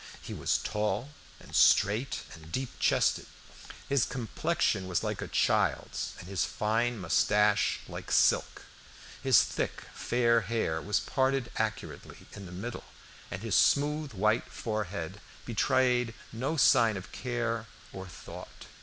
He was tall and straight and deep chested. His complexion was like a child's, and his fine moustache like silk. His thick fair hair was parted accurately in the middle, and his smooth, white forehead betrayed no sign of care or thought.